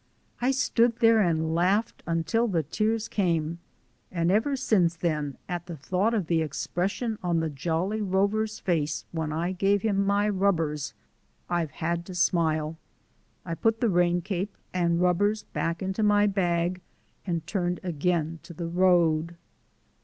I stood there and laughed until the tears came, and ever since then, at the thought of the expression on the jolly rover's face when I gave him my rubbers, I've had to smile. I put the rain cape and rubbers back into my bag and turned again to the road.